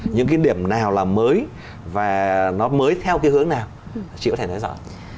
những cái điểm nào là mới và nó mới theo cái hướng nào chị có thể nói rõ